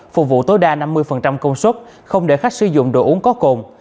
phục vụ tối đa năm mươi công suất không để khách sử dụng đồ uống có cồn